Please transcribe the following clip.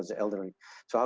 ya sudah dengan than